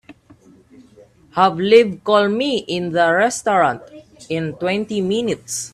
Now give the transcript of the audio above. Have Liv call me in the restaurant in twenty minutes.